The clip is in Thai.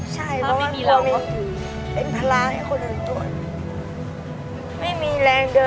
ใช่เพราะว่าพวกมันเป็นภาระให้คนอื่นด้วยถ้าไม่มีเราก็คือ